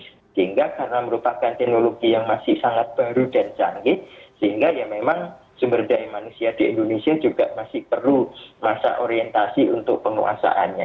sehingga karena merupakan teknologi yang masih sangat baru dan canggih sehingga ya memang sumber daya manusia di indonesia juga masih perlu masa orientasi untuk penguasaannya